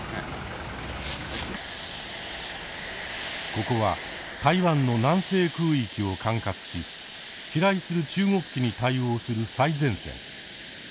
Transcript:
ここは台湾の南西空域を管轄し飛来する中国機に対応する最前線。